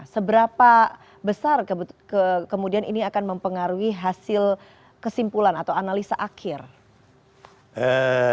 seberapa besar kemudian ini akan mempengaruhi hasil kesimpulan atau analisa akhir